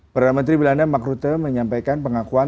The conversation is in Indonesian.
perdana menteri belanda mark rutte menyampaikan pengakuan